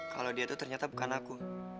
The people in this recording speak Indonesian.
kalau dia itu ternyata bukan aku